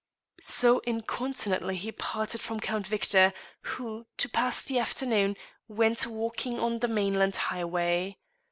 So incontinently he parted from Count Victor, who, to pass the afternoon, went walking on the mainland highway.